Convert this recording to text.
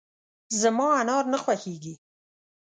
زما انار نه خوښېږي .